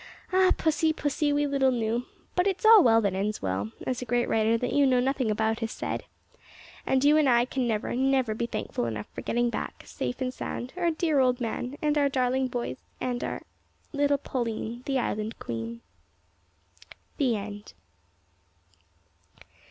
Ah! pussy, pussy, we little knew but `it's all well that ends well,' as a great writer that you know nothing about has said, and you and I can never, never be thankful enough for getting back, safe and sound, our dear old man, and our darling boys, and our our little Pauline, the Island Queen." THE END.